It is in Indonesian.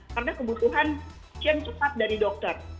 karena kebutuhan yang cepat dari dokter